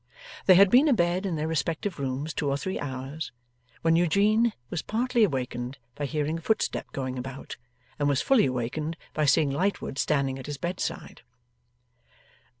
They had been abed in their respective rooms two or three hours, when Eugene was partly awakened by hearing a footstep going about, and was fully awakened by seeing Lightwood standing at his bedside.